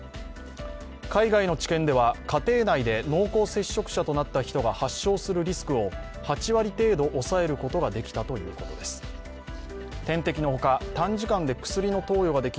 海外の治験では家庭内で濃厚接触者となった人が発症するリスクを８割程度抑えることができたということです。